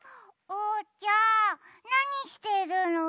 おうちゃんなにしてるの？